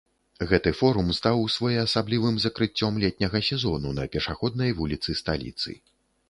Гэты форум стаў своеасаблівым закрыццём летняга сезону на пешаходнай вуліцы сталіцы.